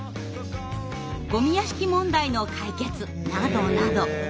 ごみ屋敷問題の解決などなど。